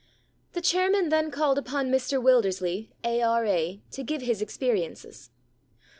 The chairman then called upon Mr Wilders ley, A.R.A., to give his experiences.